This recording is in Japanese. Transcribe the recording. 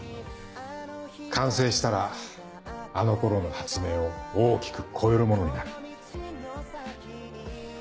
完成したらあの頃の発明を大きく超えるものになる。